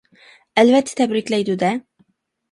- ئەلۋەتتە تەبرىكلەيدۇ - دە!